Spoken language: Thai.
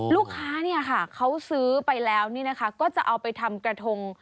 ลูกค้าเนี่ยค่ะเขาซื้อไปแล้วนี่นะคะก็จะเอาไปทำกระทง